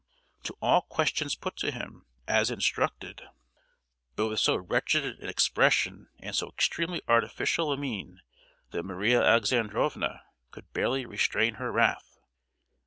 to all questions put to him, as instructed; but with so wretched an expression and so extremely artificial a mien that Maria Alexandrovna could barely restrain her wrath.